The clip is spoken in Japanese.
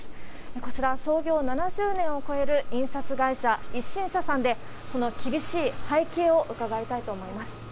こちら創業７０年を超える印刷会社、一心社さんで、その厳しい背景を伺いたいと思います。